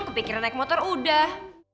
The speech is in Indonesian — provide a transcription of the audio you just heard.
kepikiran naik motor udah